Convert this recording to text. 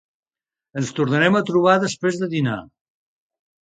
Ens tornarem a trobar després de dinar.